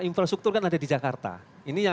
infrastruktur kan ada di jakarta ini yang